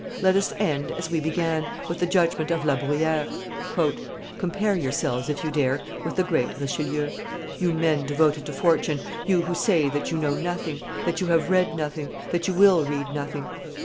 Let us end, as we began, with the judgment of La Bruyere: "Compare yourselves, if you dare, with the great Richelieu, you men devoted to fortune, you who say that you know nothing, that you have read nothing, that you will read nothing.